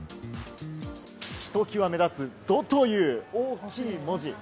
ひときわ目立つ、「ド」という大きい文字。